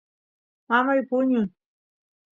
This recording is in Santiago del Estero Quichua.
mamay puñun